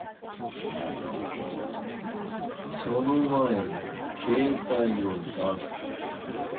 その前に携帯を出せ。